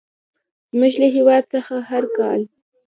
زموږ له هېواد څخه هر کال.